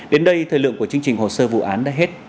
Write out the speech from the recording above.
đến đây thời lượng của chương trình hồ sơ vụ án đã hết